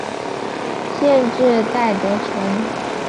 县治戴德城。